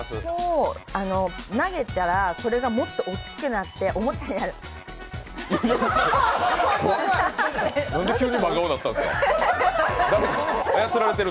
投げたら、これがもっと大きくなってお餅になる。